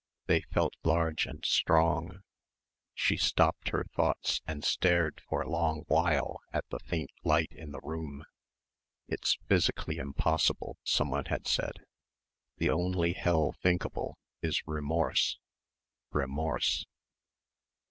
They felt large and strong. She stopped her thoughts and stared for a long while at the faint light in the room.... "It's physically impossible" someone had said ... the only hell thinkable is remorse ... remorse....